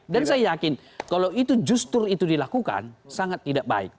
dan saya yakin kalau itu justru itu dilakukan sangat tidak baik